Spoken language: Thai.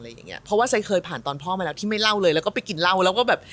เพราะว่าไซดเคยผ่านตอนพ่อมาแล้วที่ไม่เล่าเลยแล้วก็ไปกินเหล้าแล้วก็แบบ